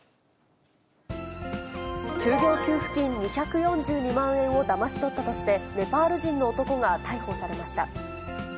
休業給付金２４２万円をだまし取ったとして、ネパール人の男が逮捕されました。